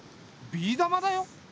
ビー玉だよ。